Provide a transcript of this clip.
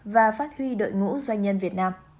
và phát huy đội ngũ doanh nhân việt nam